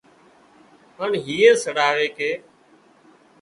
هانَ هيئي سڙاوي ڪي